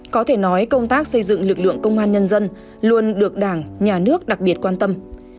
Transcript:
có thể nói công tác xây dựng lực lượng công an nhân dân luôn được đảng nhà nước đặc biệt quan tâm